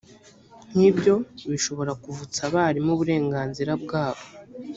nk ibyo bishobora kuvutsa abarimu uburenganzira bwabo